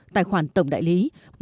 tài khoản tổng đại lý